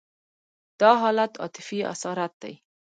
دا حالت عاطفي اسارت دی.